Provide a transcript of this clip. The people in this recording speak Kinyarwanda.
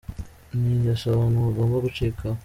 Iyi ni ingeso abantu bagomba gucikaho.